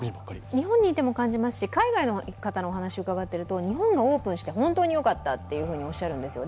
日本にいても感じますし海外の方のお話を伺うと日本がオープンして本当によかったとおっしゃるんですよ。